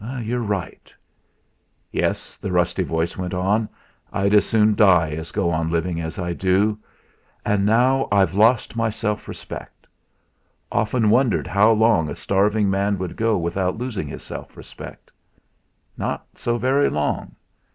"You're right." "Yes," the rusty voice went on; "I'd as soon die as go on living as I do. And now I've lost my self respect. Often wondered how long a starving man could go without losing his self respect. Not so very long.